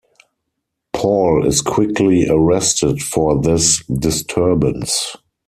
Paul is quickly arrested for this disturbance.